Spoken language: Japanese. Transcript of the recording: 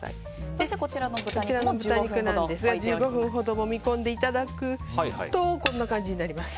そしてこちらの豚肉も１５分ほどもみ込んで置いていただくとこんな感じになります。